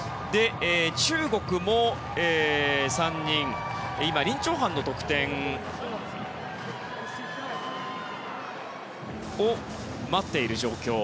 中国も３人リン・チョウハンの得点を待っている状況。